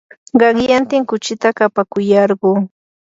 qanyantin kuchita kapakuyarquu.